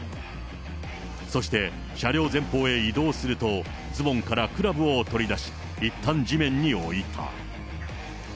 そして、車両前方へ移動すると、ズボンからクラブを取り出し、いったん地面に置いた。